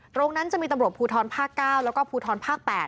ตรงนั้นจะมีตำรวจภูทรภาค๙แล้วก็ภูทรภาค๘